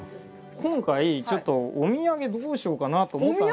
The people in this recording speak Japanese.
今回ちょっとお土産どうしようかなと思ったんですけど。